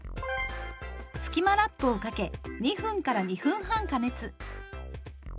スキマラップをかけ２分から２分半加熱。